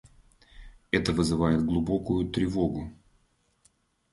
Это вызывает глубокую тревогу.